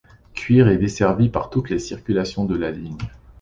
Cuire est desservie par toutes les circulations de la ligne.